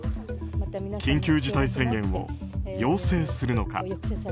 緊急事態宣言を要請するのか。